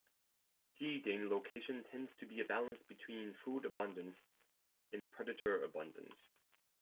Feeding location tends to be a balance between food abundance and predator abundance.